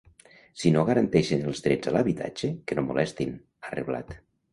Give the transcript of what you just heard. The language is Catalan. Si no garanteixen els drets a l’habitatge, que no molestin, ha reblat.